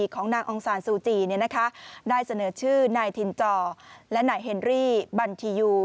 ของนางองศาลซูจีได้เสนอชื่อนายทินจอและนายเฮนรี่บัญชียู